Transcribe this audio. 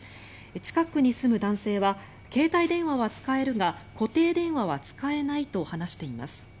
近くに住む男性は携帯電話は使えるが固定電話は使えないと話しています。